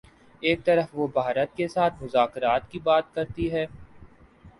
ایک طرف وہ بھارت کے ساتھ مذاکرات کی بات کرتی ہے۔